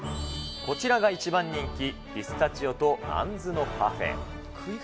こちらが一番人気、ピスタチオとアンズのパフェ。